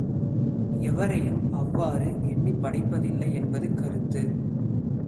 எவரையும் அவ்வாறு எண்ணிப் படைப்பதில்லை என்பது கருத்து.